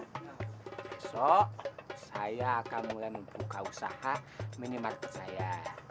besok saya akan mulai membuka usaha minimarket saya